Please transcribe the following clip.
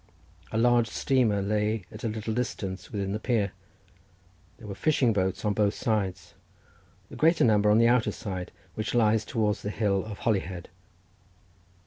A large steamer lay at a little distance within the pier. There were fishing boats on both sides, the greater number on the outer side, which lies towards the hill of Holyhead.